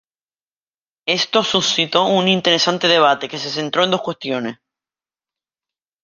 Esto suscito un interesante debate, que se centró en dos cuestiones